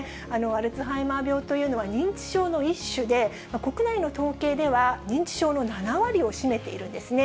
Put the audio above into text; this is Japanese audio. アルツハイマー病というのは認知症の一種で、国内の統計では認知症の７割を占めているんですね。